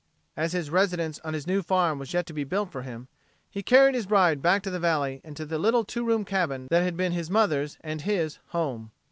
As his residence on his new farm was yet to be built for him, he carried his bride back to the valley and to the little two room cabin that had been his mother's and his home.